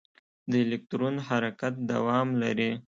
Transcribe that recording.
د الکترون حرکت دوام لري.